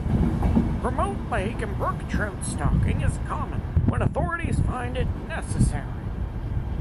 Remote lake and brook trout stocking is common when authorities find it necessary.